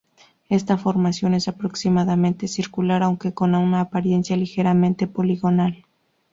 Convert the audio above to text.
Esta formación es aproximadamente circular, aunque con una apariencia ligeramente poligonal.